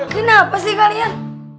kenapa sih kalian